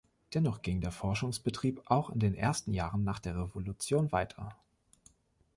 Dennoch ging der Forschungsbetrieb auch in den ersten Jahren nach der Revolution weiter.